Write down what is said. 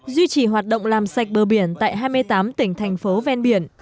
duy trì hoạt động làm sạch bờ biển tại hai mươi tám tỉnh thành phố ven biển